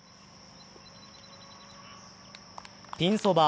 ピンそば